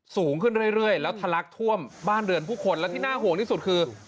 สูงขึ้นเรื่อยแล้วทะลักท่วมบ้านเรือนผู้คนและที่น่าห่วงที่สุดคือ